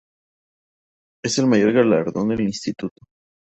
Es el mayor galardón del Instituto.